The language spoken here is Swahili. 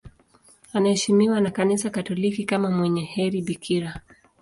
Anaheshimiwa na Kanisa Katoliki kama mwenye heri bikira.